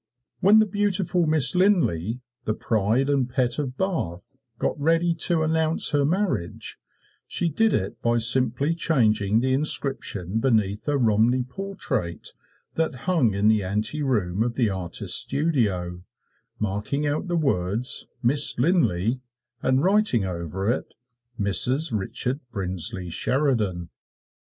When the beautiful Miss Linlay, the pride and pet of Bath, got ready to announce her marriage, she did it by simply changing the inscription beneath a Romney portrait that hung in the anteroom of the artist's studio, marking out the words "Miss Linlay," and writing over it, "Mrs. Richard Brinsley Sheridan."